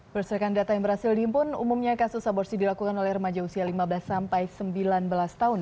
berdasarkan data yang berhasil dihimpun umumnya kasus aborsi dilakukan oleh remaja usia lima belas sampai sembilan belas tahun